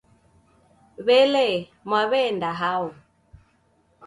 W'elee, Mwaw'enda hao?